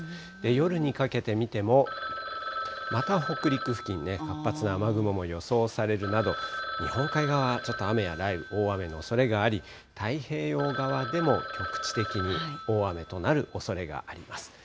夜にかけて見ても、また北陸付近ね、活発な雨雲も予想されるなど、日本海側、ちょっと雷雨、大雨のおそれがあり、太平洋側でも局地的に大雨となるおそれがあります。